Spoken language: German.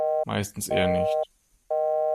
Meistens eher nicht.